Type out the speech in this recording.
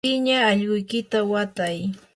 piña allquykita watay.